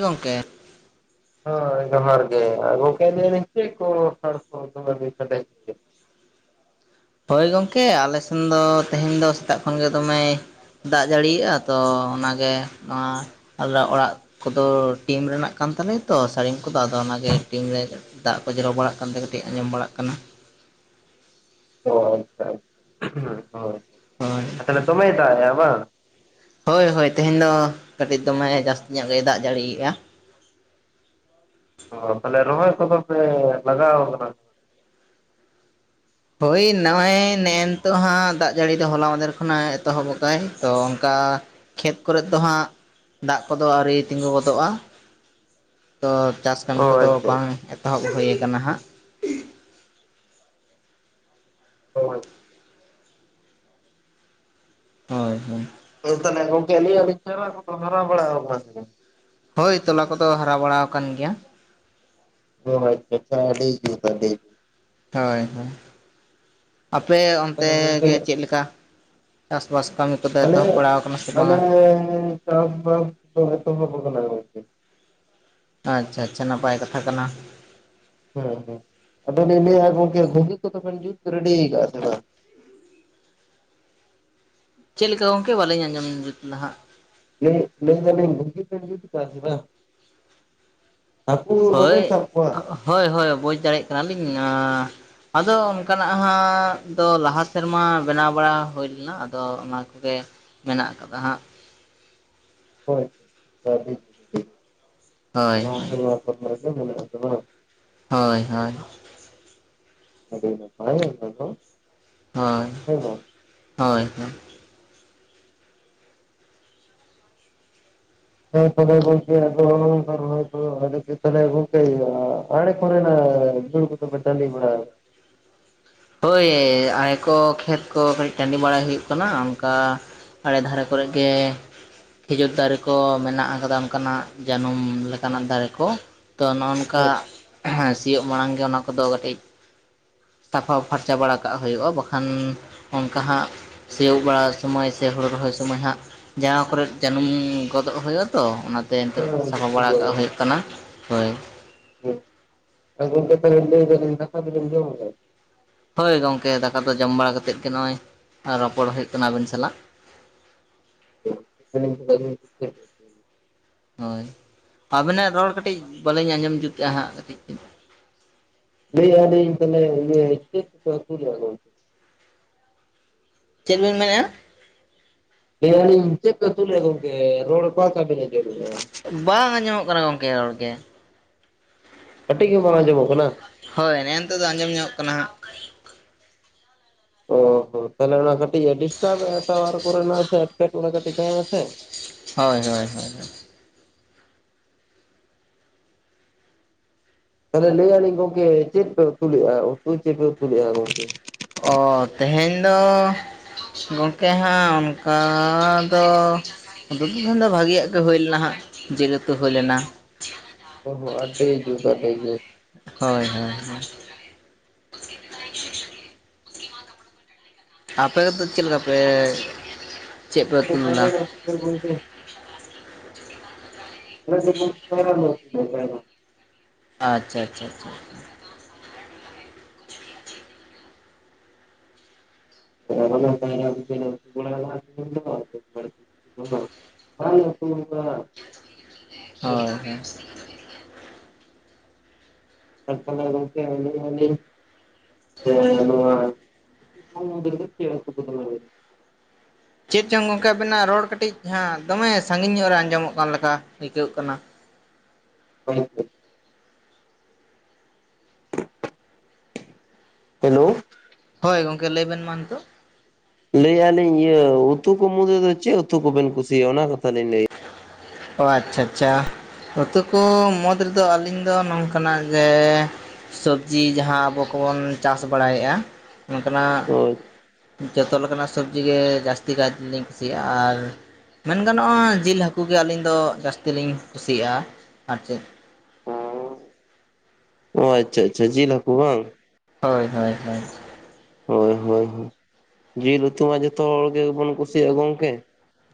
ᱜᱚᱝᱠᱮ᱾ ᱦᱳᱭ ᱜᱚᱦᱟᱨ ᱜᱮ᱾ ᱟᱨ ᱜᱚᱝᱠᱮ ᱞᱟᱹᱭ ᱟᱞᱤᱧ ᱪᱮᱫ ᱠᱚ ᱠᱷᱟᱲ ᱠᱷᱚᱲ ᱫᱚᱢᱮ ᱵᱤᱱ ᱥᱟᱰᱮ ᱚᱪᱚᱭᱮᱫ? ᱦᱳᱭ ᱜᱚᱝᱠᱮ ᱟᱞᱮ ᱥᱮᱱ ᱫᱚ ᱛᱮᱦᱮᱧ ᱫᱚ ᱥᱮᱛᱟᱜ ᱠᱷᱚᱱ ᱜᱮ ᱫᱚᱢᱮᱭ ᱫᱟᱜ ᱡᱟᱹᱲᱤᱭᱮᱜᱼᱟ ᱛᱚ ᱚᱱᱟᱜᱮ ᱱᱚᱣᱟ ᱟᱫᱚ ᱚᱲᱟᱜ ᱠᱚᱫᱚ ᱴᱤᱢ ᱨᱮᱱᱟᱜ ᱠᱟᱱ ᱛᱟᱞᱮᱭᱟ ᱛᱚ ᱥᱟᱹᱲᱤᱢ ᱠᱚᱫᱚ ᱟᱫᱚ ᱚᱱᱟᱜᱮ ᱴᱤᱱ ᱨᱮ ᱫᱟᱜ ᱠᱚ ᱡᱚᱨᱚ ᱵᱟᱲᱟᱜ ᱠᱟᱱ ᱛᱮ ᱠᱟᱹᱴᱤᱡ ᱟᱸᱡᱚᱢ ᱵᱟᱲᱟᱜ ᱠᱟᱱᱟ᱾ ᱚ ᱟᱪᱪᱦᱟ ᱟᱪᱪᱦᱟ ᱦᱩᱸ ᱦᱳᱭ ᱦᱳᱭ ᱦᱳᱭ ᱟᱨ ᱛᱟᱦᱞᱮ ᱫᱚᱢᱮᱭ ᱫᱟᱜ ᱮᱜ-ᱟ ᱵᱟᱝ? ᱦᱳᱭ ᱦᱳᱭ ᱛᱮᱦᱮᱧ ᱫᱚ ᱠᱟᱹᱴᱤᱡ ᱫᱚᱢᱮᱭ ᱡᱟᱹᱥᱛᱤ ᱧᱚᱜ ᱜᱮᱭ ᱫᱟᱜ ᱡᱟᱹᱲᱤᱭᱜᱼᱟ᱾ ᱚ ᱛᱟᱦᱞᱮ ᱨᱚᱦᱚᱭ ᱠᱚᱫᱚ ᱯᱮ ᱞᱟᱜᱟᱣ ᱠᱟᱱᱟ ᱦᱳᱭ ᱱᱚᱜᱼᱚᱭ ᱱᱮᱜᱼᱮ ᱱᱤᱛᱚᱜ ᱦᱟᱸᱜ ᱫᱟᱜ ᱡᱟᱹᱲᱤ ᱫᱚ ᱦᱚᱞᱟ ᱢᱟᱫᱷᱮᱨ ᱠᱷᱚᱱᱟᱜ ᱮᱛᱚᱦᱚᱵ ᱥᱠᱟᱭ ᱛᱚ ᱚᱱᱠᱟ ᱠᱷᱮᱛ ᱠᱚᱨᱮᱜ ᱫᱚ ᱦᱟᱸᱜ ᱫᱟᱜ ᱠᱚᱫᱚ ᱟᱹᱣᱨᱤ ᱛᱤᱸᱜᱩ ᱜᱚᱫᱚᱜᱼᱟ᱾ ᱛᱚ, ᱪᱟᱥ ᱚ ᱠᱟᱹᱢᱤ ᱠᱚᱫᱚ ᱟᱪᱪᱷᱟ ᱵᱟᱝ ᱮᱛᱚᱦᱚᱵ ᱦᱩᱭ ᱠᱟᱱᱟ ᱦᱟᱸᱜ ᱦᱳᱭ᱾ ᱦᱳᱭ ᱦᱳᱭ᱾ [unintelligible] ᱛᱟᱞᱦᱮ ᱜᱚᱝᱠᱮ ᱞᱟᱹᱭ ᱟᱞᱤᱧ ᱪᱟᱨᱟ ᱠᱚᱫᱚ ᱦᱟᱨᱟᱣ ᱵᱟᱲᱟᱣ ᱠᱟᱱᱟ ᱥᱮ ᱵᱟᱝ? ᱦᱳᱭ ᱛᱚᱞᱟ ᱠᱚᱫᱚ ᱦᱟᱨᱟ ᱵᱟᱲᱟᱣ ᱠᱟᱱ ᱜᱮᱭᱟ᱾ ᱦᱳᱭ ᱦᱳᱭ [unintelligible] ᱟᱹᱰᱤ ᱡᱩᱛ ᱟᱹᱰᱤ ᱡᱩᱛ᱾ ᱦᱳᱭ ᱦᱳᱭ᱾ ᱟᱯᱮ ᱚᱱᱛᱮ ᱛᱟᱦᱚᱞᱮ ᱜᱚᱝᱠᱮ ᱜᱮ ᱪᱮᱫ ᱞᱮᱠᱟ? ᱪᱟᱥ ᱵᱟᱥ ᱠᱟᱹᱢᱤ ᱠᱚᱫᱚ ᱮᱛᱚᱦᱚᱵ ᱵᱟᱲᱟᱣ ᱠᱟᱱᱟ ᱥᱮ ᱵᱟᱝ-ᱟ? ᱦᱮᱸ᱾ ᱪᱟᱥ ᱵᱟᱥ ᱫᱚ ᱮᱛᱚᱦᱚᱵ ᱠᱟᱱᱟ ᱜᱚᱝᱠᱮ᱾ ᱟᱪᱪᱷᱟ ᱟᱪᱪᱷᱟ, ᱱᱟᱯᱟᱭ ᱠᱟᱛᱷᱟ ᱠᱟᱱᱟ᱾ ᱦᱮᱸ ᱦᱮᱸ᱾ ᱟᱫᱚᱞᱤᱧ ᱞᱟᱹᱭᱮ-ᱟ ᱜᱚᱝᱠᱮ ᱜᱷᱩᱜᱤ ᱠᱚᱫᱚ ᱵᱮᱱ ᱡᱩᱛ ᱨᱮᱰᱤᱭ ᱠᱟᱜᱼᱟ ᱥᱮ ᱵᱟᱝ? ᱪᱮᱫ ᱞᱮᱠᱟ ᱜᱚᱝᱠᱮ ᱵᱟᱞᱤᱧ ᱟᱸᱡᱚᱢ ᱡᱩᱛᱷ ᱞᱮᱫᱟ ᱦᱟᱸᱜ? ᱞᱟ. ᱭᱜ ᱞᱟ. ᱭ ᱫᱟᱞᱤᱧ ᱜᱷᱩᱜᱤ ᱵᱮᱱ ᱡᱩᱛᱷ ᱠᱟᱜ-ᱟ ᱥᱮ ᱵᱟᱝ? ᱦᱟᱹᱠᱩ ᱵᱟᱵᱮᱱ ᱦᱳᱭ, ᱥᱟᱵ ᱠᱚᱣᱟ ᱦᱳᱭ ᱦᱳᱭ ᱵᱩᱡᱽ ᱫᱟᱲᱮᱭ ᱠᱟᱱᱟᱞᱤᱧ ᱟᱸ ᱟᱫᱚ ᱚᱱᱠᱟᱱᱟᱜ ᱦᱟᱸᱜ ᱫᱚ ᱞᱟᱦᱟ ᱥᱮᱨᱢᱟ ᱵᱮᱱᱟᱣ ᱵᱟᱲᱟ ᱦᱩᱭ ᱞᱮᱱᱟ ᱟᱫᱚ ᱚᱱᱟ ᱠᱚᱜᱮ ᱢᱮᱱᱟᱜ ᱠᱟᱫᱟ ᱦᱟᱸᱜ᱾ ᱦᱳᱭ ᱦᱳᱭ [unintelligible] ᱦᱳᱭ ᱦᱳᱭ᱾ ᱟᱰᱤ ᱱᱟᱯᱟᱭ ᱚᱱᱟ ᱫᱚ᱾ ᱦᱳᱭ, ᱦᱮᱸ ᱵᱟᱝ ᱦᱳᱭ ᱦᱳᱭ᱾ ᱦᱳᱭ ᱛᱚᱵᱮ ᱜᱚᱝᱠᱮ, ᱟᱨᱦᱚᱸ ᱚᱱᱠᱟ ᱨᱚᱦᱚᱭ ᱠᱚᱫᱚ ᱟᱣᱨᱤ [unintelligible] ᱜᱚᱝᱠᱮ ᱟᱲᱮ ᱠᱚᱨᱮ ᱱᱟᱜ ᱡᱷᱩᱬ ᱠᱚᱫᱚ ᱯᱮ ᱴᱟᱺᱰᱤ ᱵᱟᱲᱟᱣ ᱦᱳᱭ ᱟᱲᱮ ᱠᱚ ᱠᱷᱮᱛ ᱠᱚ ᱠᱟᱹᱴᱤᱡ ᱴᱟᱺᱰᱤ ᱵᱟᱲᱟᱭ ᱦᱩᱭᱩᱜ ᱠᱟᱱᱟ ᱚᱱᱠᱟ ᱟᱲᱮ ᱫᱷᱟᱨᱮ ᱠᱚᱨᱮᱜ ᱜᱮ ᱠᱷᱤᱡᱩᱨ ᱫᱟᱨᱮ ᱠᱚ ᱢᱮᱱᱟᱜ ᱠᱟᱫᱟ, ᱚᱱᱠᱟᱱᱟᱜ ᱡᱟᱹᱱᱩᱢ ᱞᱮᱠᱟ ᱱᱟᱜ ᱫᱟᱨᱮ ᱠᱚ, ᱛᱚ ᱱᱚᱜ-ᱚ ᱠᱟᱜ ᱥᱤᱭᱳᱜ ᱢᱟᱲᱟᱝ ᱜᱮ ᱚᱱᱟ ᱠᱚᱫᱚ ᱠᱟᱹᱴᱤᱡ ᱥᱟᱯᱷᱟ ᱯᱷᱟᱨᱪᱟ ᱵᱟᱲᱟ ᱠᱟᱜ ᱦᱩᱭᱩᱜᱼᱟ, ᱵᱟᱠᱷᱟᱱ ᱚᱱᱠᱟ ᱦᱟᱸᱜ ᱥᱤᱭᱳᱜ ᱵᱟᱲᱟ ᱥᱩᱢᱟᱹᱭ ᱥᱮ ᱦᱳᱲᱩ ᱨᱚᱦᱚᱭ ᱥᱩᱢᱟᱹᱭ ᱦᱟᱸᱜ ᱡᱟᱦᱟᱸ ᱠᱚᱨᱮᱫ ᱡᱟᱹᱱᱩᱢ ᱜᱚᱫᱚᱜ ᱦᱳᱭᱳᱜ-ᱟ, ᱛᱚ ᱚᱱᱟᱛᱮ ᱱᱤᱛᱚᱜ ᱟᱠᱟᱫᱟ? ᱥᱟᱯᱷᱟ ᱵᱟᱲᱟ ᱠᱟᱜ ᱦᱳᱭᱳᱜ ᱠᱟᱱᱟ, ᱦᱳᱭ᱾ ᱜᱚᱝᱠᱮ ᱛᱟᱦᱞᱮ ᱞᱟᱹᱭ ᱫᱟᱞᱤᱧ ᱫᱟᱠᱟ ᱠᱚᱫᱚ ᱵᱤᱱ ᱡᱚᱢ ᱠᱮᱫᱟ? ᱦᱳᱭ ᱜᱚᱝᱠᱮ, ᱫᱟᱠᱟ ᱫᱚ ᱡᱚᱢ ᱵᱟᱲᱟ ᱠᱟᱛᱮᱫ ᱜᱮ ᱱᱚᱜᱼᱚᱭ ᱨᱚᱯᱚᱲ ᱦᱩᱭᱩᱜ ᱠᱟᱱᱟ ᱟᱵᱤᱱ ᱥᱟᱞᱟᱜ᱾ [unintelligible] ᱦᱳᱭ, ᱟᱵᱮᱱᱟᱜ ᱨᱚᱲ ᱠᱟᱹᱴᱤᱡ ᱵᱟᱞᱤᱧ ᱟᱸᱡᱚᱢ ᱡᱩᱛᱷ ᱮᱜᱼᱟ ᱦᱟᱸᱜ ᱠᱟᱴᱤᱡ ᱞᱟᱹᱭ ᱟᱞᱤᱧ, ᱛᱟᱦᱞᱮ ᱤᱭᱟᱹ ᱪᱮᱫ ᱯᱮ ᱩᱛᱩ ᱞᱮᱜ-ᱟ ᱜᱚᱝᱠᱮ? ᱪᱮᱫ ᱵᱮᱱ ᱢᱮᱱ ᱮᱜᱼᱟ? ᱞᱟᱹᱭ ᱟᱞᱤᱧ ᱪᱮᱫ ᱯᱮ ᱩᱛᱩ ᱞᱮᱜ-ᱟ ᱜᱚᱝᱠᱮ, ᱨᱚᱲ ᱠᱚᱠᱟ ᱞᱮᱠᱟ ᱵᱮᱱ ᱟᱡᱚᱢᱮᱜ-ᱟ? ᱵᱟᱝ ᱟᱸᱡᱚᱢᱚᱜ ᱠᱟᱱᱟ ᱜᱚᱝᱠᱮ ᱨᱚᱲ ᱜᱮ᱾ ᱠᱟᱴᱤᱡ ᱜᱮ ᱵᱟᱝ ᱟᱡᱚᱢᱚᱜ ᱠᱟᱱᱟ? ᱦᱳᱭ ᱱᱮᱜᱮᱱᱤᱛᱳᱜ ᱫᱚ ᱟᱸᱡᱚᱢ ᱧᱚᱜ ᱠᱟᱱᱟ ᱦᱟᱸᱜ ᱾ ᱚ ᱛᱟᱦᱞᱮ ᱚᱱᱟ ᱠᱟᱹᱴᱤᱡ ᱰᱤᱥᱴᱟ ᱮᱴᱟ ᱠᱚᱨᱮᱱᱟᱜ ᱥᱮ ᱮᱴᱠᱮᱴᱚᱬᱮ ᱠᱟᱹᱴᱤᱡ ᱛᱟᱦᱮᱸᱱᱟᱥᱮ? ᱦᱳᱭ ᱦᱳᱭ ᱦᱳᱭ ᱦᱳᱭ᱾ ᱛᱟᱦᱚᱞᱮ ᱞᱟᱹᱭᱭᱟᱞᱤᱧ ᱜᱚᱝᱠᱮ ᱪᱮᱫ ᱯᱮ ᱩᱛᱩᱞᱮᱜᱼᱟ ᱩᱛᱩ ᱪᱮᱫ ᱯᱮ ᱩᱛᱩᱩᱞᱮᱜᱼᱟ ᱜᱚᱝᱠᱮ? ᱚ ᱛᱮᱦᱮᱧ ᱫᱚ, ᱜᱚᱢᱠᱮ ᱦᱟᱸᱜ ᱚᱱᱠᱟ ᱫᱚ [unintelligible] ᱵᱷᱟᱜᱤᱭᱟᱜ ᱜᱮ ᱦᱩᱭᱞᱮᱱᱟ ᱦᱟᱸᱜ ᱡᱤᱞ ᱩᱛᱩ ᱦᱩᱭ ᱞᱮᱱᱟ᱾ ᱚ ᱦᱚᱸ ᱟᱹᱰᱤ ᱡᱩᱛ ᱟᱹᱰᱤ ᱡᱩᱛ, ᱦᱳᱭ ᱦᱳᱭ ᱦᱳᱭ᱾ ᱟᱯᱮᱫᱚ ᱪᱮᱫ ᱞᱮᱠᱟ ᱯᱮ? ᱪᱮᱫ ᱯᱮ ᱩᱛᱩ ᱞᱮᱫᱟ [unintelligible] [unintelligible] ᱟᱪᱪᱷᱟ ᱟᱪᱪᱷᱟ ᱟᱪᱪᱷᱟ᱾ [inaudible] [inaudible] ᱦᱳᱭ ᱦᱳᱭ᱾ [unintelligible] ᱜᱚᱝᱠᱮ [unintelligible] [unintelligible] ᱪᱮᱫ ᱪᱚᱝ ᱜᱚᱝᱠᱮ ᱟᱵᱮᱱᱟᱜ ᱨᱚᱲ ᱠᱟᱹᱴᱤᱡ ᱦᱟᱸᱜ ᱫᱚᱢᱮ ᱥᱟᱹᱜᱤᱧ ᱧᱚᱜ ᱨᱮ ᱟᱸᱡᱚᱢᱚᱜ ᱠᱟᱱ ᱞᱮᱠᱟ ᱟᱹᱭᱠᱟᱹᱜ ᱠᱟᱱᱟ᱾ [unintelligible] ᱦᱮᱞᱳ, ᱦᱳᱭ ᱜᱚᱢᱠᱮ ᱞᱟᱹᱭᱵᱮᱱ ᱢᱟ ᱱᱤᱛᱳᱜ? ᱞᱟᱹᱭᱮᱼᱟ ᱞᱤᱧ ᱤᱭᱟᱹ ᱩᱛᱩ ᱠᱚ ᱢᱩᱫᱽ ᱫᱚ ᱪᱮᱫ ᱩᱛᱩ ᱠᱚᱵᱮᱱ ᱠᱩᱥᱤᱭᱟᱜᱼᱟ ᱚᱱᱟ ᱠᱟᱛᱷᱟ ᱞᱤᱧ ᱞᱟᱹᱭ᱾ ᱚ ᱟᱪᱪᱷᱟ ᱟᱪᱪᱷᱟ ᱜᱟᱛᱮ ᱠᱚ ᱢᱚᱫᱽ ᱨᱮᱫᱚ ᱟᱹᱞᱤᱧ ᱫᱚ ᱱᱚᱝᱠᱟᱱᱟᱜ ᱡᱮ ᱥᱚᱵᱡᱤ ᱡᱟᱦᱟᱸ ᱟᱵᱚ ᱠᱚᱵᱚᱱ ᱪᱟᱥ ᱵᱟᱲᱟᱭᱮᱫᱼᱟ ᱚᱱᱠᱟᱱᱟᱜ᱾ ᱦᱳᱭ᱾ ᱡᱚᱛᱚ ᱞᱮᱠᱟᱱᱟᱜ ᱥᱚᱵᱡᱤ ᱜᱮ ᱡᱟᱹᱥᱛᱤ ᱠᱟᱭ ᱛᱮᱞᱤᱧ ᱠᱩᱥᱤᱭᱟᱜᱼᱟ ᱟᱨ ᱢᱮᱱ ᱜᱟᱱᱚᱜᱼᱟ ᱡᱤᱞ ᱦᱟᱹᱠᱩ ᱜᱮ ᱟᱹᱞᱤᱧ ᱫᱚ ᱡᱟᱹᱥᱛᱤ ᱞᱤᱧ ᱠᱩᱥᱤᱭᱟᱜᱼᱟ ᱟᱨ ᱪᱮᱫ? ᱚ ᱟᱪᱪᱷᱟ ᱟᱪᱪᱷᱟ ᱡᱤᱞ ᱦᱟᱹᱠᱩ ᱵᱟᱝ ᱾ ᱦᱳᱭ ᱦᱳᱭ ᱦᱳᱭ᱾ ᱦᱳᱭ ᱦᱳᱭ ᱡᱤᱞ ᱩᱛᱩ ᱢᱟ ᱡᱚᱛᱚ ᱦᱚᱲ ᱜᱮᱵᱚᱱ ᱠᱩᱥᱤᱭᱟᱜᱼᱟ ᱜᱚᱢᱠᱮ᱾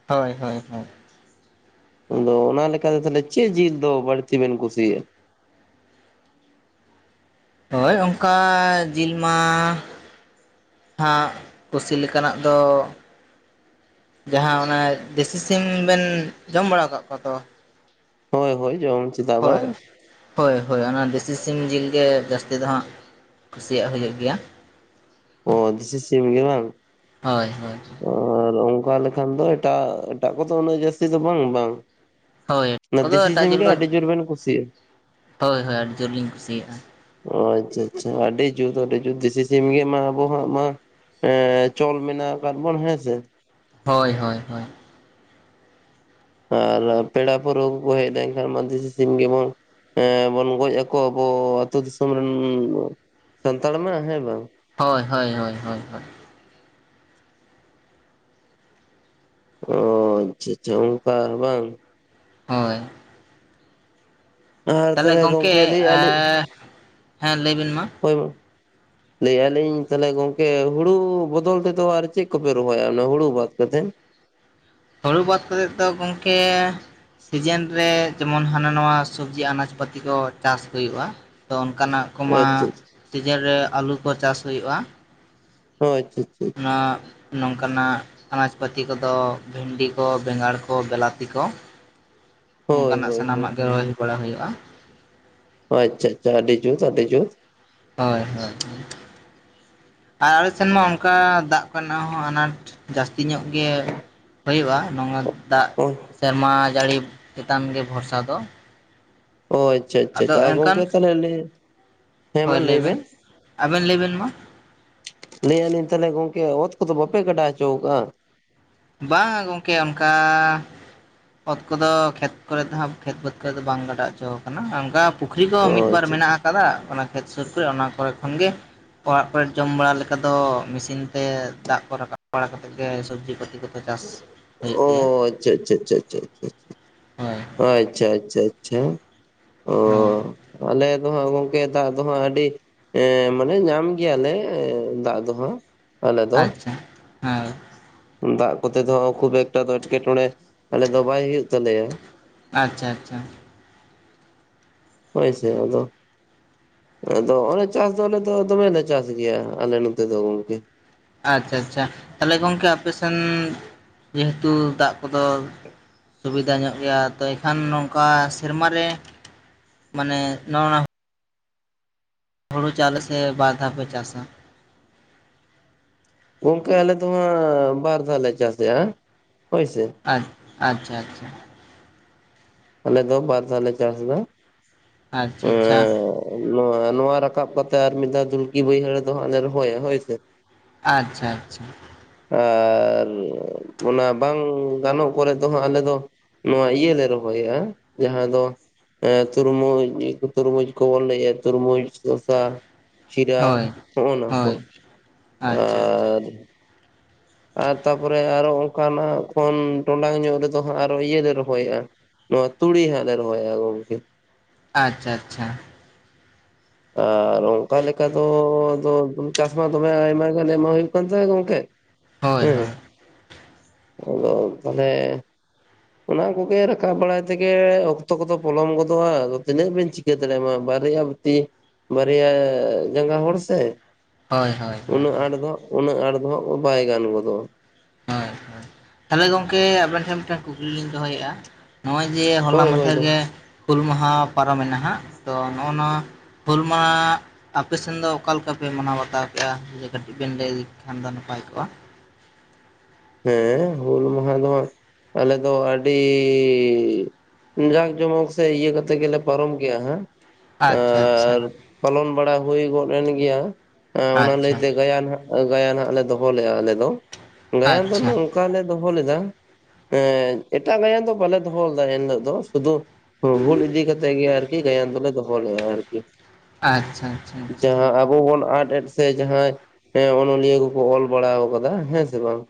ᱦᱳᱭ ᱦᱳᱭ ᱦᱳᱭ᱾ ᱟᱫᱚ ᱚᱱᱟ ᱞᱮᱠᱟᱛᱮ ᱛᱟᱦᱟᱞᱮ ᱪᱮᱫ ᱡᱤᱞ ᱫᱚ ᱵᱟᱹᱲᱛᱤ ᱵᱮᱱ ᱠᱩᱥᱤᱭᱟᱜ-ᱟ? ᱦᱳᱭ ᱚᱝᱠᱟ ᱡᱤᱞ ᱢᱟ ᱦᱟᱸᱜ ᱠᱩᱥᱤ ᱞᱮᱠᱟᱱᱟᱜ ᱫᱚ ᱡᱟᱦᱟᱸ ᱚᱱᱟ ᱫᱮᱥᱤ ᱥᱤᱢ ᱵᱮᱱ ᱡᱚᱢ ᱵᱟᱲᱟ ᱟᱠᱟᱫ ᱠᱚᱣᱟ ᱛᱚ? ᱦᱳᱭ ᱦᱳᱭ ᱡᱚᱢ ᱪᱮᱫᱟᱜ ᱦᱳᱭ ᱵᱟᱝ ᱦᱳᱭ ᱦᱳᱭ ᱚᱱᱟ ᱫᱮᱥᱤ ᱥᱤᱢ ᱡᱤᱞ ᱜᱮ ᱡᱟᱹᱥᱛᱤ ᱫᱚ ᱦᱟᱸᱜ᱾ ᱠᱩᱥᱤᱭᱟᱜ ᱦᱳᱭᱳᱜ ᱜᱮᱭᱟ ᱾ ᱚ ᱫᱮᱥᱤ ᱥᱤᱢ ᱜᱮ ᱵᱟᱝ ᱦᱳᱭ ᱦᱳᱭ ᱚ᱾ ᱟᱨ ᱚᱝᱠᱟ ᱞᱮᱠᱷᱟᱱ ᱫᱚ ᱮᱴᱟᱜ ᱮᱴᱟᱜ ᱠᱚᱫᱚ ᱩᱱᱟᱹᱜ ᱡᱟᱹᱥᱛᱤ ᱫᱚ ᱵᱟᱝ ᱵᱟᱝ ᱦᱳᱭ ᱾ ᱚᱱᱟ ᱠᱚᱫᱚ ᱫᱤᱥᱤ ᱮᱴᱟᱜ ᱥᱤᱢ ᱡᱤᱞ ᱜᱮ ᱠᱚ ᱟᱹᱰᱤ ᱡᱳᱨ ᱵᱮᱱ ᱠᱩᱥᱤᱭᱟᱜᱼᱟ ᱾ ᱦᱳᱭ ᱦᱳᱭ ᱟᱹᱰᱤ ᱡᱳᱨ ᱞᱤᱧ ᱠᱩᱥᱤᱭᱟᱜᱼᱟ ᱚ ᱟᱪᱪᱷᱟ ᱪᱷᱟ ᱟᱹᱰᱤ ᱡᱩᱛ ᱟᱹᱰᱤ ᱡᱩᱛ ᱫᱮᱥᱤ ᱥᱤᱢ ᱜᱮ ᱢᱟ᱾ ᱟᱵᱚᱣᱟᱜ ᱢᱟ ᱮᱸ ᱪᱚᱞ ᱢᱮᱱᱟᱜ ᱟᱠᱟᱫ ᱵᱚᱱ ᱦᱮᱸᱥᱮ, ᱦᱳᱭ ᱦᱳᱭ ᱦᱳᱭ᱾ ᱟᱨ ᱯᱮᱲᱟ ᱯᱟᱹᱲᱦᱟᱹ ᱠᱚ ᱦᱮᱡ ᱞᱮᱱᱠᱷᱟᱱ ᱢᱟ ᱫᱤᱥᱤ ᱥᱤᱢ ᱜᱮ [unintelligible] ᱮᱸ ᱵᱚᱱ ᱜᱚᱡ ᱟᱠᱚᱣᱟ ᱟᱵᱚ ᱟᱹᱛᱩ ᱫᱤᱥᱚᱢ ᱨᱮᱱ ᱥᱟᱱᱛᱟᱲ ᱢᱟ ᱦᱮᱸ ᱵᱟᱝ᱾ ᱦᱳᱭ ᱦᱳᱭ ᱦᱳᱭ ᱦᱳᱭ ᱦᱳᱭ᱾ ᱚ ᱟᱪᱪᱷᱟ ᱟᱪᱪᱷᱟ ᱚᱱᱠᱟ ᱵᱟᱝ᱾ ᱦᱳᱭ᱾ ᱟᱨ ᱛᱟᱦᱚᱞᱮ ᱜᱚᱝᱠᱮ ᱮᱻ ᱞᱟᱹᱭᱮᱫᱼᱟ ᱞᱤᱧ ᱦᱮᱸ ᱞᱟᱹᱭ ᱵᱤᱱ ᱢᱟ᱾ ᱦᱳᱭ᱾ ᱞᱟᱹᱭᱮᱜ ᱟᱞᱤᱧ ᱛᱟᱦᱞᱮ ᱜᱚᱝᱠᱮ ᱦᱩᱲᱩ ᱵᱚᱫᱚᱞ ᱛᱮᱫᱚ ᱟᱨ ᱪᱮᱱ ᱠᱚᱯᱮ ᱨᱚᱦᱚᱭᱟ ᱚᱱᱟ ᱦᱩᱲᱩ ᱵᱟᱫ ᱠᱟᱛᱮᱫ? ᱦᱩᱲᱩ ᱵᱟᱫ ᱠᱟᱛᱮᱫ ᱫᱚ ᱜᱩᱝᱠᱮ ᱥᱤᱡᱮᱱ ᱨᱮ ᱡᱮᱢᱚᱱ ᱦᱟᱱᱟ ᱱᱟᱣᱟ ᱥᱚᱵᱽᱡᱤ ᱟᱱᱟᱡ ᱯᱟᱹᱛᱤ ᱠᱚ ᱪᱟᱥ ᱦᱩᱭᱩᱜ-ᱟ᱾ ᱛᱚ ᱚᱱᱠᱟᱱᱟᱜ ᱠᱚᱢᱟ ᱟᱪᱪᱷᱟ ᱥᱤᱡᱮᱱ ᱨᱮ ᱟᱞᱩ ᱠᱚ ᱪᱟᱥ ᱦᱩᱭᱩᱜ-ᱟ᱾ ᱦᱳᱭ, ᱪᱤᱱ ᱪᱤᱱ ᱟᱸᱜ ᱱᱚᱝᱠᱟᱱᱟᱜ ᱟᱱᱟᱡᱽ ᱯᱟᱹᱛᱤ ᱠᱚᱫᱚ ᱵᱷᱮᱱᱰᱤ ᱠᱚ ᱵᱮᱸᱜᱟᱲ ᱠᱚ ᱵᱮᱞᱟᱛᱤ ᱠᱚ [inaudible] ᱱᱩᱝᱠᱟᱱᱟᱜ ᱦᱳᱭ ᱦᱳᱭ ᱥᱟᱱᱟᱢᱟᱜ ᱜᱮ ᱨᱚᱦᱚᱭ ᱵᱟᱲᱟ ᱦᱳᱭᱳᱜ-ᱟ᱾ ᱚ ᱟᱪᱪᱷᱟ ᱟᱪᱪᱷᱟ, ᱟᱰᱤ ᱡᱩᱛ ᱟᱰᱤ ᱡᱩᱛ᱾ ᱦᱳᱭ ᱦᱳᱭ᱾ ᱟᱨ ᱟᱞᱮ ᱥᱮᱱ ᱢᱟ ᱚᱝᱠᱟ ᱫᱟᱜ ᱠᱚ ᱨᱮᱱᱟᱜ ᱦᱚᱸ ᱟᱱᱟᱴ ᱡᱟᱥᱛᱤ ᱧᱚᱜ ᱜᱮ᱾ ᱦᱩᱭᱩᱜ-ᱟ, ᱱᱚᱣᱟ ᱫᱟᱜ ᱦᱳᱭ ᱥᱮᱨᱢᱟ ᱡᱟᱹᱲᱤ ᱪᱮᱛᱟᱱ ᱜᱮ ᱵᱷᱚᱨᱥᱟ ᱫᱚ᱾ ᱚ ᱟᱪᱪᱷᱟ ᱟᱪᱪᱷᱟ, ᱟᱫᱚ ᱟᱨ ᱮᱱᱠᱷᱟᱱ ᱜᱚᱝᱠᱮ ᱛᱟᱞᱦᱮ [unintelligible] ᱦᱳᱭ ᱞᱟᱹᱭᱵᱮᱱ, ᱟᱵᱮᱱ ᱞᱟᱹᱭᱵᱮᱱ ᱢᱟ᱾ ᱞᱟᱹᱭᱮᱜ ᱟᱹᱞᱤᱧ ᱛᱟᱦᱚᱞᱮ ᱜᱚᱝᱠᱮ ᱚᱛ ᱠᱚᱫᱚ ᱵᱟᱯᱮ ᱜᱟᱰᱟ ᱦᱚᱪᱚᱠᱟᱜ-ᱟ? ᱵᱟᱝᱟ ᱜᱚᱝᱠᱮ ᱚᱱᱠᱟ ᱚᱛ ᱠᱚᱫᱚ ᱠᱷᱮᱛ ᱠᱚᱨᱮ ᱫᱚ ᱦᱟᱸᱜ ᱠᱷᱮᱛ ᱵᱟᱹᱫᱽ ᱠᱚᱨᱮ ᱫᱚ ᱵᱟᱝ ᱜᱟᱰᱟᱣ ᱦᱚᱪᱚ ᱠᱟᱱᱟ, ᱚᱱᱠᱟ ᱯᱩᱠᱷᱨᱤ ᱠᱚᱸ ᱢᱤᱫ ᱚ ᱵᱟᱨ ᱟᱪᱪᱷᱟ ᱢᱮᱱᱟᱜ ᱟᱠᱟᱫᱟ ᱚᱱᱟ ᱠᱷᱮᱛ ᱥᱩᱨ ᱠᱚᱨᱮ ᱚᱱᱟ ᱠᱚᱨᱮ ᱠᱷᱚᱱ ᱜᱮ ᱚᱲᱟᱜ ᱠᱚᱨᱮᱱ ᱡᱚᱢ ᱵᱟᱲᱟ ᱞᱮᱠᱟ ᱫᱚ ᱢᱤᱥᱤᱱ ᱛᱮ ᱫᱟᱜ ᱠᱚ ᱨᱟᱠᱟᱵ ᱵᱟᱲᱟ ᱠᱟᱛᱮᱫ ᱜᱮ ᱥᱚᱵᱽᱡᱤ ᱠᱚ ᱚ ᱟᱪᱪᱷᱟ ᱪᱷᱟ ᱪᱷᱟ ᱪᱷᱟ᱾ ᱦᱳᱭ ᱟᱪᱪᱷᱟ ᱟᱪᱪᱷᱟ ᱟᱪᱪᱷᱟ ᱚ ᱦᱳᱭ ᱟᱞᱮ ᱫᱚ ᱦᱟᱸᱜ ᱜᱚᱝᱠᱮ ᱜᱮ ᱫᱟᱜ ᱫᱚ ᱦᱟᱜᱸ ᱟᱰᱤ ᱮ ᱢᱟᱱᱮ ᱧᱟᱢ ᱜᱮᱭᱟᱞᱮ ᱫᱟᱜ ᱫᱚ ᱦᱟᱸᱜ᱾ ᱟᱞᱮ ᱫᱚ ᱟᱪᱪᱷᱟ, ᱦᱮᱸ᱾ ᱫᱟᱜ ᱠᱚᱛᱮ ᱫᱚ ᱠᱷᱩᱵ ᱮᱠᱴᱟ ᱫᱚ ᱮᱴᱠᱮᱴᱚᱬᱮ ᱟᱞᱮ ᱫᱚ ᱵᱟᱭ ᱦᱩᱭᱩᱜ ᱛᱟᱞᱮᱭᱟ᱾ ᱟᱪᱪᱷᱟ ᱟᱪᱪᱷᱟ᱾ ᱦᱳᱭ ᱥᱮ ᱟᱫᱚ ᱟᱫᱚ ᱚᱱᱮ ᱪᱟᱥ ᱫᱚ ᱟᱞᱮ ᱫᱚ ᱫᱚᱢᱮᱞᱮ ᱪᱟᱥ ᱜᱮᱭᱟ ᱟᱞᱮ ᱱᱚᱛᱮ ᱫᱚ ᱜᱚᱝᱠᱮ ᱟᱪᱪᱷᱟ ᱟᱪᱷᱟ ᱟᱪᱷᱟ ᱛᱟᱦᱚᱞᱮ ᱜᱚᱝᱠᱮ ᱟᱯᱮ ᱥᱮᱱ ᱡᱮᱦᱮᱛᱩ ᱫᱟᱜ ᱠᱚᱫᱚ ᱥᱩᱵᱤᱫᱷᱟ ᱧᱚᱜ ᱜᱮᱭᱟ ᱛᱚ ᱮᱱᱠᱷᱟᱱ ᱱᱚᱝᱠᱟ ᱥᱮᱨᱢᱟ ᱨᱮ ᱢᱟᱱᱮ ᱱᱚᱣᱟ ᱦᱩᱲᱩ ᱪᱟᱣᱞᱮ ᱥᱮ ᱵᱟᱨ ᱫᱷᱟᱣ ᱯᱮ ᱪᱟᱥᱟ ᱜᱚᱝᱠᱮ ᱟᱞᱮ ᱫᱚ ᱦᱟᱸᱜ ᱵᱟᱨ ᱫᱷᱟᱣ ᱞᱮ ᱪᱟᱥᱮᱜ-ᱟ᱾ ᱦᱳᱭ ᱥᱮ ᱟᱪ ᱟᱪᱪᱷᱟ ᱟᱪᱪᱷᱟ ᱟᱞᱮ ᱫᱚ ᱵᱟᱨ ᱫᱷᱟᱣᱞᱮ ᱪᱟᱥᱫᱟ ᱟᱪᱪᱷᱟ ᱟᱪᱷᱟ ᱟᱪᱷᱟ ᱱᱚᱣᱟ ᱱᱚᱣᱟ ᱨᱟᱠᱟᱵ ᱠᱟᱛᱮᱜ ᱟᱨ ᱢᱤᱫ ᱫᱷᱟᱣ ᱫᱩᱞᱠᱤ ᱵᱟᱹᱭᱦᱟᱹᱲ ᱫᱚ ᱦᱟᱸᱜ ᱞᱮ ᱨᱚᱦᱚᱭᱟ ᱦᱳᱭ ᱥᱮ ᱟᱪᱪᱷᱟ ᱟᱪᱷᱟ ᱟᱪᱷᱟ ᱟ [unintelligible] ᱟᱨ ᱚᱱᱟ ᱵᱟᱝ ᱜᱟᱱᱚᱜ ᱠᱚᱨᱮ ᱫᱚ ᱦᱟᱸᱜ ᱟᱞᱮ ᱫᱚ ᱱᱚᱣᱟ ᱤᱭᱟᱹ ᱞᱮ ᱨᱚ ᱦᱚᱭᱟ ᱡᱟᱦᱟᱸ ᱫᱚ ᱮᱸᱻ ᱛᱩᱨᱢᱩᱡᱽ ᱛᱩᱨᱢᱩᱡᱽ ᱠᱚ ᱵᱚᱱ ᱞᱟᱹᱭᱮᱜ ᱛᱩᱨᱢᱩᱡᱽ ᱫᱚᱥᱟ ᱠᱷᱤᱨᱟ ᱦᱳᱭ ᱦᱚᱸᱜ-ᱚᱭ ᱱᱚᱣᱟ ᱠᱚ ᱦᱳᱭ ᱟᱪᱪᱷᱟ ᱟᱪᱷᱟ ᱟᱪᱷᱟ ᱟᱨ ᱟᱨ ᱛᱟᱯᱚᱨᱮ ᱟᱨᱚ ᱚᱝᱠᱟ ᱱᱟᱦᱟᱸᱜ ᱠᱷᱚᱱ ᱴᱚᱸᱰᱟᱝ ᱧᱚᱜ ᱨᱮᱫᱚ ᱦᱟᱸᱜ ᱟᱨᱚ ᱤᱭᱟᱹᱞᱮ ᱨᱚᱦᱚᱭᱟ ᱱᱚᱣᱟ ᱛᱩᱲᱤ ᱦᱟᱸᱜ ᱞᱮ ᱨᱚᱦᱚᱭᱟ ᱜᱚᱝᱠᱮ ᱟᱪᱪᱷᱟ ᱟᱪᱷᱟ ᱟᱪᱷᱟ ᱟᱨ ᱚᱱᱠᱟ ᱞᱮᱠᱟ ᱫᱚ ᱟᱫᱚ ᱪᱟᱥ ᱢᱟ ᱫᱚᱢᱮ ᱟᱭᱢᱟ ᱛᱟᱦᱞᱮ ᱢᱟ ᱦᱩᱭᱩᱜ ᱠᱟᱱ ᱛᱟᱞᱮ ᱜᱚᱝᱠᱮ ᱦᱳᱭ ᱦᱮᱸ ᱦᱳᱭ ᱟᱫᱚ ᱛᱟᱦᱚᱞᱮ ᱚᱱᱟ ᱠᱚᱜᱮ ᱨᱟᱠᱟᱵ ᱵᱟᱲᱟᱭ ᱛᱮᱜᱮ ᱚᱠᱛᱚ ᱠᱚᱫᱚ ᱯᱚᱞᱚᱢ ᱜᱚᱫᱚᱜᱼᱟ ᱟᱫᱚ ᱛᱤᱱᱟᱹᱜ ᱵᱮᱱ ᱪᱤᱜ ᱪᱮᱫ ᱨᱮᱢᱟ ᱵᱟᱨᱭᱟ ᱟᱵᱚᱛᱛᱤ ᱵᱟᱨᱭᱟ ᱡᱟᱸᱜᱟ ᱦᱚᱲ ᱥᱮ ᱦᱳᱭ ᱦᱳᱭ ᱦᱳᱭ ᱩᱱᱟᱹᱜ ᱟᱸᱴ ᱫᱚ ᱦᱟᱸᱜ ᱩᱱᱟᱹᱜ ᱟᱸᱴ ᱫᱚ ᱦᱟᱸᱜ ᱵᱟᱭ ᱜᱟᱱ ᱜᱚᱫᱚᱜ ᱦᱳᱭ ᱦᱳᱭ ᱛᱟᱦᱞᱮ ᱜᱚᱝᱠᱮ ᱟᱵᱮᱱ ᱴᱷᱮᱱ ᱢᱤᱫᱴᱟᱝ ᱠᱩᱠᱞᱤ ᱞᱤᱧ ᱫᱚᱦᱚᱭᱮᱜᱼᱟ᱾ ᱱᱚᱦᱚᱭ ᱡᱮ ᱦᱚᱞᱟ ᱦᱳᱭ ᱦᱳᱭ ᱢᱟᱸᱫᱷᱮᱨ ᱫᱚ ᱜᱮ ᱦᱩᱞ ᱢᱟᱦᱟ ᱯᱟᱨᱚᱢᱮᱱᱟ ᱦᱟᱸᱜ ᱛᱚ ᱱᱚᱜᱼᱚᱭ ᱱᱚᱣᱟ ᱦᱩᱞ ᱢᱟ ᱟᱯᱮ ᱥᱮᱱ ᱫᱚ ᱚᱠᱟ ᱞᱮᱠᱟ ᱯᱮ ᱢᱟᱱᱟᱣ ᱵᱟᱛᱟᱣ ᱠᱮᱭᱟ ᱡᱮ ᱠᱟᱹᱴᱤᱡ ᱵᱮᱱ ᱞᱟᱹᱭ ᱞᱮᱠᱷᱟᱱ ᱫᱚ ᱱᱟᱯᱟᱭ ᱠᱚᱜᱼᱟ᱾ ᱦᱮᱸᱻ ᱦᱩᱞ ᱢᱟᱦᱟ ᱫᱚ ᱦᱟᱸᱜ ᱟᱞᱮ ᱫᱚ ᱟᱹᱰᱤᱻ ᱡᱟᱠᱼᱡᱚᱢᱚᱠ ᱥᱮ ᱤᱭᱟᱹ ᱠᱟᱛᱮ ᱜᱮᱞᱮ ᱯᱟᱨᱚᱢ ᱜᱮᱭᱟ ᱦᱟᱸᱜ ᱟᱪᱪᱷᱟ ᱟᱪᱪᱷᱟ ᱟᱨ ᱯᱟᱞᱚᱱ ᱵᱟᱲᱟ ᱦᱩᱭ ᱜᱚᱫ ᱮᱱ ᱜᱮᱭᱟ ᱮᱸ ᱚᱱᱟ ᱞᱟᱹᱭ ᱟᱪᱪᱷᱟ ᱛᱮ ᱜᱟᱭᱟᱱ ᱦᱟᱸᱜ ᱟ ᱜᱟᱭᱟᱱ ᱦᱟᱸᱜ ᱞᱮ ᱫᱚᱦᱚ ᱞᱮᱜᱼᱟ ᱟᱞᱮ ᱫᱚ, ᱜᱟᱭᱟᱱ ᱫᱚ ᱟᱪᱪᱷᱟ ᱱᱚ ᱚᱠᱟ ᱞᱮ ᱫᱚᱦᱚ ᱞᱮᱫᱟ ᱮᱸ ᱮᱴᱟᱜ ᱜᱟᱭᱟᱱ ᱫᱚ ᱵᱟᱞᱮ ᱫᱚᱦᱚ ᱞᱮᱫᱟ ᱤᱱ ᱦᱤᱞᱚᱜ ᱫᱚ ᱥᱩᱫᱩ ᱦᱩᱞ ᱤᱫᱤ ᱠᱟᱛᱮ ᱜᱮ ᱟᱨᱠᱤ ᱜᱟᱭᱟᱱ ᱫᱚᱞᱮ ᱫᱚᱦᱚ ᱞᱮᱫᱟ ᱟᱨᱠᱤ ᱟᱪᱪᱷᱟ ᱟᱪᱷᱟ ᱟᱪᱷᱟ ᱡᱟᱦᱟᱸ ᱟᱵᱚ ᱵᱚᱱ ᱟᱰ ᱮᱰᱥ ᱥᱮ ᱡᱟᱦᱟᱸᱭ ᱮᱸ ᱚᱱᱚᱞᱤᱭᱟᱹ ᱠᱚᱠᱚ ᱚᱞ ᱵᱟᱲᱟᱣᱟᱠᱟᱫᱟ ᱦᱮᱸ ᱥᱮ ᱵᱟᱝ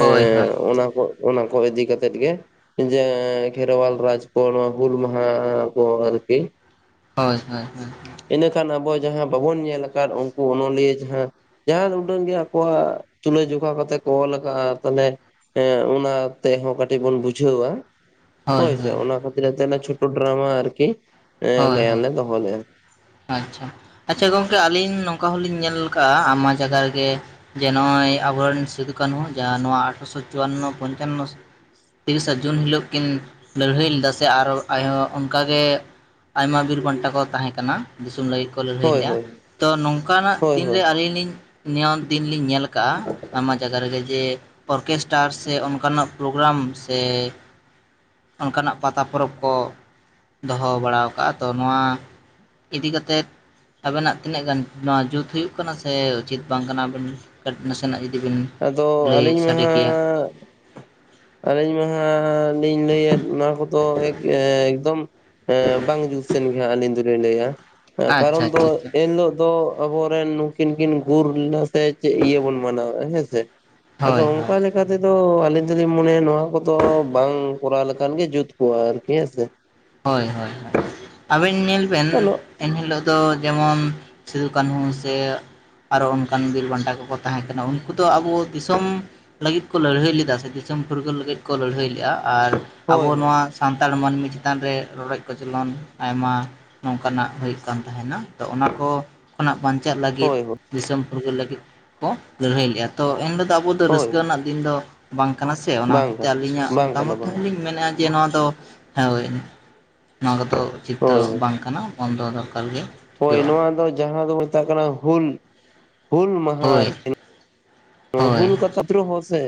ᱦᱳᱭ ᱦᱳᱭ ᱚᱱᱟᱠᱚ ᱚᱱᱟᱠᱚ ᱤᱫᱤ ᱠᱟᱛᱮ ᱜᱮ ᱡᱮ ᱠᱷᱮᱨᱣᱟᱞ ᱨᱟᱡᱽ ᱠᱚ ᱱᱚᱣᱟ ᱦᱩᱞ ᱢᱟᱦᱟ ᱠᱚ ᱟᱨᱠᱤ ᱦᱳᱭ ᱦᱳᱭ ᱦᱳᱭ ᱤᱱᱟᱹ ᱠᱷᱟᱱ ᱟᱵᱚ ᱡᱟᱦᱟᱸ ᱵᱟᱵᱚᱱ ᱧᱮᱞ ᱟᱠᱟᱫ ᱩᱱᱠᱩ ᱚᱱᱚᱞᱤᱭᱟᱹ ᱡᱟᱦᱟᱸ ᱡᱟᱦᱟᱱ ᱩᱰᱟᱹᱝ ᱜᱮ ᱟᱠᱚᱣᱟᱜ ᱛᱩᱞᱟᱹᱡᱚᱠᱷᱟ ᱠᱟᱛᱮ ᱠᱚ ᱚᱞ ᱟᱠᱟᱜᱼᱟ ᱛᱟᱞᱮ ᱮᱸ ᱚᱱᱟ ᱛᱮᱦᱚᱸ ᱠᱟᱹᱴᱤᱡ ᱵᱚᱱ ᱵᱩᱡᱷᱟᱹᱣᱟ ᱦᱳᱭ ᱦᱚᱭ ᱥᱮ, ᱦᱳᱭ ᱚᱱᱟ ᱠᱷᱟᱹᱛᱤᱨ ᱛᱮ ᱪᱷᱚᱴᱚ ᱰᱨᱟᱢᱟ ᱟᱨ ᱠᱤ, ᱦᱳᱭ ᱜᱟᱭᱟᱱ ᱦᱳᱭ ᱞᱮ ᱫᱚᱦᱚ ᱞᱮᱜᱼᱟ ᱾ ᱟᱪᱪᱷᱟ, ᱟᱪᱪᱷᱟ ᱜᱚᱝᱠᱮ ᱟᱞᱤᱧ ᱱᱚᱝᱠᱟ ᱦᱚᱸ ᱞᱤᱧ ᱧᱮᱞ ᱟᱠᱟᱫᱟ ᱟᱭᱢᱟ ᱡᱟᱜᱟ ᱨᱮᱜᱮᱼᱼ ᱡᱮ ᱱᱚᱜᱼᱚᱭ ᱟᱵᱚᱨᱮᱱ ᱥᱤᱫᱩᱠᱱᱦᱩ ᱡᱟᱦᱟᱸ ᱱᱚᱣᱟ ᱟᱴᱷᱨᱚᱥᱚ ᱪᱩᱣᱟᱱᱱᱚ ᱯᱚᱧᱪᱟᱱᱱᱚᱼᱼ ᱛᱤᱨᱤᱥᱟ ᱡᱩᱱ ᱦᱤᱞᱳᱜ ᱠᱤᱱ ᱞᱟᱹᱲᱦᱟᱹᱭ ᱞᱮᱫᱟ ᱥᱮ ᱟᱨ ᱟᱡᱦᱚᱸ ᱚᱱᱠᱟᱜ ᱜᱮᱼᱼ ᱟᱭᱢᱟ ᱵᱤᱨ ᱵᱟᱱᱴᱟ ᱠᱚ ᱛᱟᱦᱮᱸ ᱠᱟᱱᱟ ᱫᱤᱥᱚᱢ ᱞᱟᱹᱜᱤᱫᱼᱼ ᱠᱚ ᱞᱟᱹᱲᱦᱟᱹᱭ ᱦᱳᱭ ᱞᱮᱼᱟ ᱦᱳᱭ ᱾ ᱛᱚ ᱱᱚᱝᱠᱟ ᱱᱟᱜ ᱦᱳᱭ ᱦᱳᱭ ᱫᱤᱱᱨᱮ ᱟᱹᱞᱤᱧ ᱞᱤᱧᱼᱼ ᱱᱤᱭᱚᱢ ᱫᱤᱱ ᱞᱤᱧ ᱧᱮᱞ ᱟᱠᱟᱫᱼᱟ ᱟᱭᱢᱟ ᱡᱟᱭᱜᱟ ᱨᱮᱜᱮ ᱡᱮᱼᱼ ᱚᱨᱠᱮᱥᱴᱟᱨ ᱥᱮ ᱚᱱᱠᱟᱱᱟᱜ ᱯᱨᱳᱜᱨᱟᱢ ᱥᱮᱼᱼ ᱚᱱᱠᱟ ᱱᱟᱜ ᱯᱟᱛᱟ ᱯᱚᱨᱚᱵᱽ ᱠᱚ ᱫᱚᱦᱚ ᱵᱟᱲᱟ ᱟᱠᱟᱟᱜᱼᱟ, ᱛᱚ ᱱᱚᱣᱟᱼᱼ ᱤᱫᱤ ᱠᱟᱛᱮᱫᱼᱼ ᱟᱵᱮᱱᱟᱜ ᱛᱤᱱᱟᱹᱜ ᱜᱟᱱ ᱱᱚᱣᱟ ᱡᱩᱛ ᱦᱩᱭᱩᱜ ᱠᱟᱱᱟ ᱥᱮ ᱩᱪᱤᱛ ᱵᱟᱝ ᱠᱟᱱᱟᱵᱮᱱ ᱠᱟᱹᱴᱤ ᱱᱟᱥᱮ ᱱᱟᱜ ᱡᱩᱫᱤ ᱵᱤᱱᱼᱼ ᱟᱫᱚ ᱟᱹᱞᱤᱧ ᱢᱟᱦᱟ ᱟᱹᱞᱤᱧ ᱢᱟᱦᱟᱼᱼ ᱤᱧ ᱞᱟᱹᱭᱮᱫ ᱱᱚᱣᱟ ᱠᱚᱫᱚ ᱮᱠᱫᱚᱢ ᱵᱟᱝ ᱡᱩᱛᱼᱼ ᱥᱮᱱ ᱜᱮᱜ ᱟᱹᱞᱤᱧ ᱫᱚᱞᱤᱧ ᱞᱟᱹᱭᱟ, ᱟᱪᱪᱷᱟ ᱠᱟᱨᱚᱱ ᱫᱚ ᱟᱪᱪᱷᱟ ᱟᱪᱪᱷᱟ ᱮᱱᱦᱤᱞᱳᱜ ᱫᱚᱼᱼ ᱟᱵᱚᱨᱮᱱ ᱱᱩᱠᱤᱱ ᱠᱤᱱ ᱜᱩᱨ ᱞᱮᱱᱟ ᱥᱮ ᱪᱮᱫ ᱤᱭᱟᱹ ᱵᱚᱱ ᱢᱟᱱᱟᱣᱮᱫ ᱦᱮᱸ ᱥᱮ ᱾ ᱟᱫᱚ ᱦᱳᱭ ᱦᱳᱭ ᱚᱱᱠᱟ ᱞᱮᱠᱼᱼ ᱚᱝᱠᱟ ᱛᱮᱫᱚ ᱟᱹᱞᱤᱧ ᱫᱚᱞᱤᱧ ᱢᱚᱱᱮᱭᱟ ᱱᱚᱣᱟ ᱠᱚᱫᱚ ᱵᱟᱝ ᱠᱚᱨᱟᱣ ᱞᱮᱠᱷᱟᱱ ᱜᱮ ᱡᱩᱛ ᱠᱚᱜᱼᱟ ᱟᱨᱠᱤ ᱦᱮᱸ ᱥᱮ ᱾ ᱦᱳᱭ ᱦᱳᱭ ᱟᱵᱮᱱ ᱧᱮᱞ ᱵᱮᱱ ᱼᱼ ᱮᱱᱦᱤᱞᱳᱜ ᱫᱚ ᱡᱮᱢᱚᱱ ᱥᱤᱫᱩ ᱠᱟᱹᱱᱦᱩ ᱥᱮᱼᱼ ᱟᱨ ᱚᱱᱠᱟᱱ ᱵᱤᱨ ᱵᱟᱱᱴᱟ ᱠᱚᱠᱚ ᱛᱟᱦᱮᱸ ᱠᱟᱱᱟ, ᱩᱱᱠᱩ ᱫᱚ ᱟᱵᱚ ᱫᱤᱥᱚᱢᱼᱼ ᱞᱟᱹᱲᱦᱟᱹᱭ ᱞᱮᱫᱟ ᱫᱤᱥᱚᱢ ᱯᱷᱩᱨᱜᱟᱹᱞ ᱞᱟᱹᱜᱤᱫ ᱠᱚ ᱞᱟᱹᱲᱦᱟᱹᱭ ᱞᱮᱜᱼᱟ ᱾ ᱟᱨᱼᱼ ᱦᱳᱭ ᱟᱵᱚ ᱦᱳᱭ ᱱᱚᱣᱟ ᱥᱟᱱᱛᱟᱲ ᱢᱟᱹᱱᱢᱤᱼᱼ ᱪᱮᱛᱟᱱ ᱨᱮ ᱨᱚᱲᱚᱜ ᱠᱚᱪᱞᱚᱱ ᱟᱭᱢᱟ ᱱᱚᱝᱠᱟᱱᱟᱜ ᱦᱩᱭᱩᱜ ᱠᱟᱱ ᱛᱟᱦᱮᱱᱟ ᱾ ᱛᱚ ᱚᱱᱟ ᱠᱚᱼᱼ ᱠᱷᱚᱱᱟᱜ ᱵᱟᱧᱪᱟᱣ ᱞᱟᱹᱜᱤᱫ ᱦᱳᱭ ᱫᱤᱥᱚᱢ ᱯᱷᱩᱨᱜᱟᱹᱞ ᱞᱟᱹᱜᱤᱫ ᱠᱚ ᱞᱟᱹᱲᱦᱟᱹᱭ ᱞᱮᱜᱼᱟ ᱾ ᱛᱚ ᱮᱱ ᱦᱤᱞᱚᱜ ᱫᱚ ᱟᱵᱚ ᱫᱚ ᱦᱳᱭ ᱨᱟᱹᱥᱠᱟᱹ ᱨᱮᱱᱟᱜ ᱫᱤᱱ ᱫᱚ ᱵᱟᱝ ᱠᱟᱱᱟ ᱥᱮ, ᱚᱱᱟ ᱵᱟᱝ ᱠᱷᱟᱹᱛᱤᱨ ᱛᱮ ᱠᱟᱱᱟ ᱟᱹᱞᱤᱧᱟᱜ ᱵᱟᱝ ᱢᱚᱛᱟ ᱠᱟᱱᱟ ᱢᱚᱛ ᱵᱟᱝ ᱦᱚᱸ ᱞᱤᱧ ᱢᱮᱱᱮᱜᱼᱟᱼᱼ ᱡᱮ ᱱᱚᱣᱟ ᱫᱚ ᱦᱮᱣ [unintelligible] ᱱᱚᱣᱟ ᱠᱚᱫᱚ ᱚᱪᱤᱛ ᱫᱚ ᱵᱟᱝ ᱠᱟᱱᱟ ᱵᱚᱱᱫᱚ ᱫᱚᱨᱠᱟᱨ ᱜᱮ ᱾ ᱦᱚᱭ ᱱᱚᱣᱟ ᱫᱚ ᱡᱟᱦᱟᱸ ᱫᱚ ᱢᱮᱛᱟᱜ ᱠᱟᱱᱟ ᱦᱩᱞ, ᱦᱩᱞ ᱢᱟᱦᱟ ᱦᱳᱭ ᱟᱨ ᱾ ᱦᱳᱭ ᱦᱩᱞ ᱠᱟᱛᱟ ᱫᱨᱳᱦᱚ ᱥᱮ,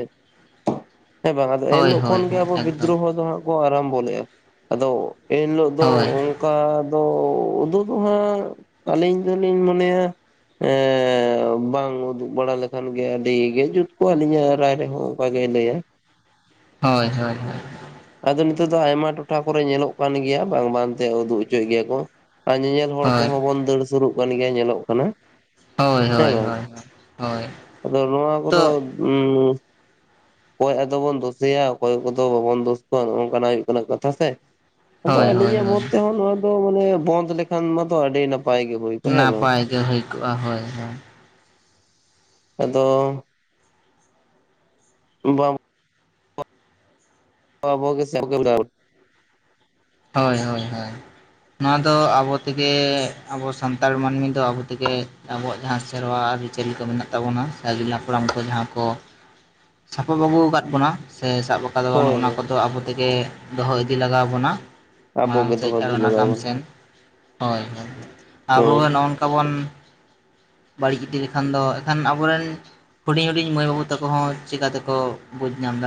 ᱦᱮᱸ ᱵᱟᱝ ᱟᱫᱚ ᱦᱳᱭ ᱮᱱᱦᱤᱞᱳᱜ ᱦᱳᱭ ᱠᱷᱚᱱ ᱜᱮ ᱦᱳᱭ ᱟᱵᱚ ᱮᱠᱫᱚᱢ ᱵᱤᱫᱽᱫᱨᱳᱦᱚ ᱫᱚ ᱦᱟᱸᱜᱼᱼ ᱠᱚ ᱟᱨᱟᱢᱵᱚ ᱞᱮᱜ-ᱟ ᱾ ᱟᱫᱚ ᱮᱱᱦᱤᱞᱳᱜ ᱫᱚᱼᱼ ᱦᱳᱭ ᱚᱱᱠᱟ ᱫᱚ ᱩᱫᱩᱜ ᱫᱚ ᱦᱟᱸᱜ ᱟᱹᱞᱤᱧ ᱫᱚᱞᱤᱧ ᱢᱚᱱᱮᱭᱟᱼᱼ ᱮ ᱵᱟᱝ ᱩᱫᱩᱜ ᱵᱟᱲᱟ ᱞᱮᱠᱷᱟᱱ ᱜᱮᱼᱼ ᱟᱹᱰᱤ ᱜᱮ ᱡᱩᱛ ᱠᱚᱜ-ᱟ ᱟᱞᱤᱧᱟᱜ ᱨᱟᱭ ᱨᱮᱦᱚᱸ ᱚᱱᱠᱟ ᱜᱮᱭ ᱞᱟᱹᱭᱟᱭ ᱾ ᱦᱚᱭ ᱦᱚᱭ ᱦᱚᱭ ᱾ ᱟᱫᱚ ᱱᱤᱛᱚᱜ ᱫᱚ ᱟᱭᱢᱟ ᱴᱚᱴᱷᱟ ᱠᱚᱨᱮ ᱧᱮᱞᱚᱜ ᱠᱟᱱ ᱜᱮᱭᱟ ᱵᱟᱝ ᱵᱟᱝ ᱛᱮ ᱩᱫᱩᱜ ᱦᱚᱪᱚᱭᱮᱫ ᱜᱮᱭᱟ ᱠᱚ, ᱟᱨ ᱧᱮᱧᱮᱞᱼᱼ ᱦᱚᱲ ᱦᱳᱭ ᱠᱚᱦᱚᱸ ᱵᱚᱱ ᱫᱟᱹᱲ ᱥᱩᱨᱩᱜ ᱠᱟᱱ ᱜᱮᱭᱟ ᱧᱮᱞᱚᱜ ᱠᱟᱱᱟ ᱦᱳᱭ ᱾ ᱦᱮᱸ ᱦᱳᱭ ᱵᱟᱝ, ᱦᱳᱭ ᱦᱳᱭ ᱟᱫᱚ ᱱᱚᱣᱟ ᱠᱚᱫᱚᱼᱼ ᱛᱚ ᱩᱸ ᱚᱠᱚᱭ ᱟᱫᱚ ᱵᱚᱱ ᱫᱳᱥᱮᱭᱟ ᱚᱠᱚᱭ ᱠᱚᱫᱚ ᱵᱟᱵᱚᱱ ᱫᱳᱥᱼᱼ ᱱᱚᱜᱼᱚ ᱱᱚᱝᱠᱟ ᱱᱟᱜ ᱦᱩᱭᱩᱜ ᱠᱟᱱᱟ ᱠᱟᱛᱷᱟ ᱥᱮ, ᱟᱫᱚ ᱦᱳᱭ ᱦᱳᱭ ᱟᱹᱞᱤᱧᱟᱜ ᱦᱳᱭ ᱢᱚᱛ ᱛᱮᱦᱚᱸ ᱱᱚᱣᱟᱼᱼ ᱢᱟᱱᱮ ᱵᱚᱱᱫᱷ ᱞᱮᱠᱷᱟᱱ ᱢᱟᱛᱚ ᱟᱹᱰᱤ ᱱᱟᱯᱟᱭ ᱜᱮ ᱿ ᱱᱟᱯᱟᱭ ᱜᱮ ᱦᱩᱭ ᱠᱚᱜ-ᱟ ᱦᱚᱭ ᱦᱚᱭ ᱾ ᱟᱫᱚᱼᱼ ᱵᱟᱝ ᱾ ᱟᱵᱚ ᱜᱮ ᱥᱟᱨᱠᱮᱞ ᱜᱟᱞᱼᱼ ᱦᱳᱭ ᱦᱳᱭ ᱦᱳᱭ ᱾ ᱱᱚᱣᱟ ᱫᱚ ᱟᱵᱚ ᱛᱮᱜᱮ ᱟᱵᱚ ᱥᱟᱱᱛᱟᱲ ᱢᱟᱹᱱᱢᱤ ᱫᱚ ᱟᱵᱚ ᱛᱮᱜᱮᱼᱼ ᱟᱵᱚᱣᱟᱜ ᱡᱟᱦᱟᱸ ᱥᱮᱨᱣᱟ ᱟᱹᱨᱤ ᱪᱟᱹᱞᱤ ᱠᱚ ᱢᱮᱱᱟᱜ ᱛᱟᱵᱚᱱᱟ ᱥᱮ ᱟᱹᱜᱤᱞ ᱦᱟᱯᱲᱟᱢ ᱠᱚ ᱡᱟᱦᱟᱸ ᱠᱚ, ᱥᱟᱯᱷᱟᱞ ᱟᱹᱜᱩ ᱟᱠᱟᱫ ᱵᱚᱱᱟ ᱥᱮ ᱥᱟᱵ ᱟᱠᱟᱫᱟᱵᱚᱱ ᱦᱳᱭ ᱚᱱᱟ ᱦᱳᱭ ᱠᱚᱫᱚ ᱟᱵᱚ ᱛᱮᱜᱮ ᱫᱚᱦᱚ ᱤᱫᱤ ᱞᱟᱜᱟᱣ ᱟᱵᱚᱱᱟ᱾ ᱟᱵᱚ ᱢᱟᱲᱟᱝ ᱜᱮ ᱥᱮᱫ ᱫᱚᱦᱚ ᱟᱨᱚ ᱞᱟᱜᱟᱣ ᱱᱟᱜᱟᱢ ᱵᱚᱱᱟ ᱥᱮᱫ ᱦᱳᱭ ᱦᱳᱭ ᱟᱵᱚ ᱦᱳᱭ ᱱᱚᱝᱠᱟ ᱵᱚᱱ᱾ ᱵᱟᱹᱲᱤᱡ ᱤᱫᱤ ᱞᱮᱠᱷᱟᱱ ᱫᱚ ᱮᱱᱠᱷᱟᱱ ᱟᱵᱚᱨᱮᱱ, ᱦᱩᱰᱤᱧ ᱦᱩᱰᱤᱧ ᱢᱟᱹᱭ ᱵᱟᱹᱵᱩ ᱛᱟᱠᱚ ᱦᱚᱸ ᱪᱮᱠᱟ ᱛᱮᱠᱚ ᱵᱩᱡᱽ ᱧᱟᱢ ᱫᱟᱲᱮᱭᱟᱜ-ᱟ᱾